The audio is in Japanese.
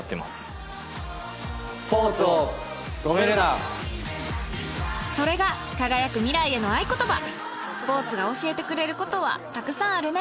純粋にそれが輝く未来への合言葉スポーツが教えてくれることはたくさんあるね